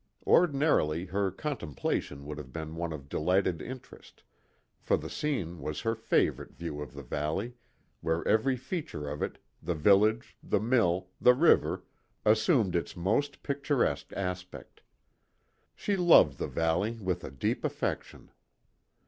Ordinarily her contemplation would have been one of delighted interest, for the scene was her favorite view of the valley, where every feature of it, the village, the mill, the river, assumed its most picturesque aspect. She loved the valley with a deep affection.